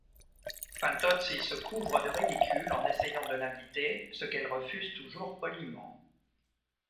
Fantozzi se couvre de ridicule en essayant de l'inviter, ce qu'elle refuse toujours poliment.